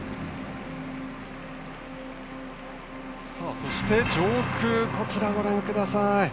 そして上空をご覧ください。